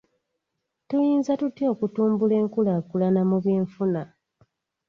Tuyinza tutya okutumbula enkulaakulana mu by'enfuna?